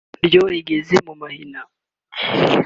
ryo rigeze mu mahina